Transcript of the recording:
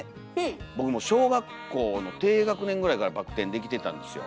僕もう小学校の低学年ぐらいからバク転できてたんですよ。